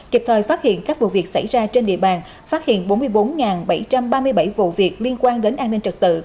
kịp thời phát hiện các vụ việc xảy ra trên địa bàn phát hiện bốn mươi bốn bảy trăm ba mươi bảy vụ việc liên quan đến an ninh trật tự